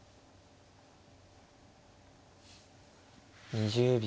２０秒。